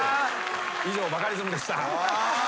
以上バカリズムでした。